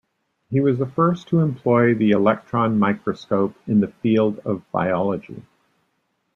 He was the first to employ the electron microscope in the field of biology.